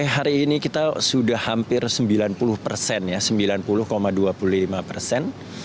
hampir sembilan puluh persen ya sembilan puluh dua puluh lima persen